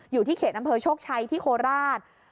อยู่ที่เขตอำเภอโชคชัยที่โคราช